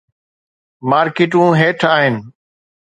مارڪيٽون هيٺ آهن.